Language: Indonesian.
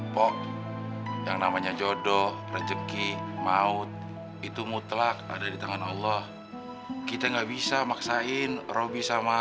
pok yang namanya jodoh rejeki maut itu mutlak ada di tangan allah kita nggak bisa maksain roby sama